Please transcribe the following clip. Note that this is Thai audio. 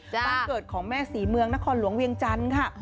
บ้านเกิดของแม่ศรีเมืองนครหลวงเวียงจันทร์ค่ะ